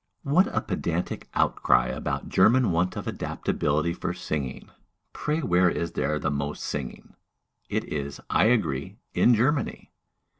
"What a pedantic outcry about German want of adaptability for singing! Pray where is there the most singing?" It is, I agree, in Germany.